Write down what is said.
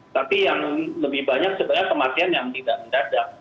tapi yang lebih banyak sebenarnya kematian yang tidak mendadak